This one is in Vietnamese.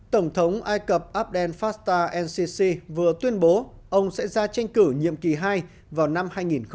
tổng thống ai cập abdel fattah al sisi vừa tuyên bố ông sẽ ra tranh cử nhiệm kỳ hai vào năm hai nghìn một mươi tám